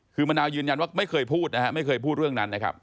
คือมะนาวยืนยันว่าไม่เคยพูดนะฮะไม่เคยพูดเรื่องนั้นนะครับ